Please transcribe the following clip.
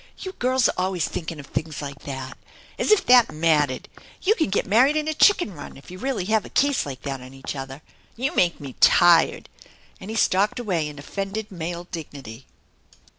" You girls are always thinking of things like that ! As if that mattered. You can get married in a chicken run if you really have a case like that on each other! You make me tired!" and he f talked away in offended male dignity.